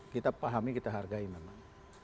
kita pahami kita hargai memang